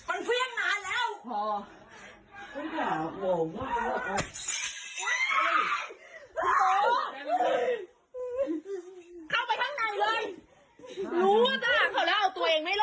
ไม่ต้องหลากกว่าแล้ว